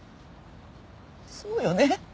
そうよね？